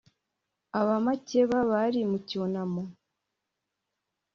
ab'amakeba bari mu cyunamo